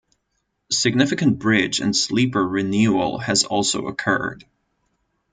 Significant bridge and sleeper renewal has also occurred.